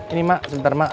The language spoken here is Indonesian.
ini mak sebentar mak